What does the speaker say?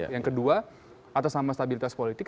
yang kedua atas nama stabilitas politik